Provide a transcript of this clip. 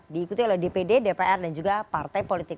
diikuti oleh dpd dpr dan juga partai politik